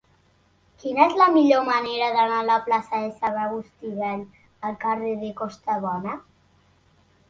Quina és la millor manera d'anar de la plaça de Sant Agustí Vell al carrer de Costabona?